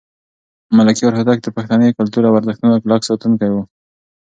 ملکیار هوتک د پښتني کلتور او ارزښتونو کلک ساتونکی و.